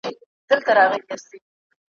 که خندل دي نو به ګورې چي نړۍ درسره خاندي `